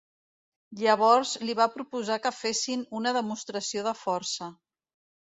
Llavors li va proposar que fessin una demostració de força.